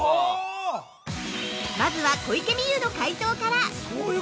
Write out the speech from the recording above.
まずは、小池美由の解答から。